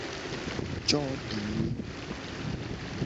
Codinu.